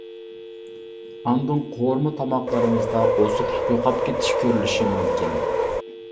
ئاندىن قورۇما تاماقلىرىمىزدا ئوزۇقلۇق يوقاپ كېتىش كۆرۈلۈشى مۇمكىن.